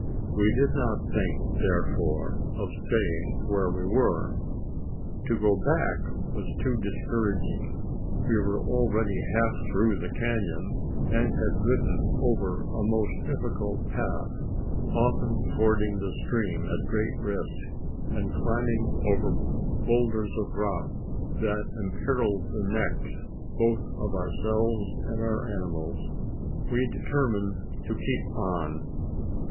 We did not think, therefore, of staying where we were. To go back was too discouraging. We were already half through the canon, and had ridden over a most difficult path often fording the stream at great risk, and climbing over boulders of rock, that imperilled the necks, both of ourselves and our animals. We determined to keep on.